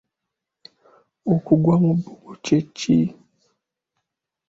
Okugwa mu bbugo kye ki?